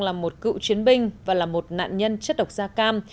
là một cựu chiến binh và là một nạn nhân chất độc da cam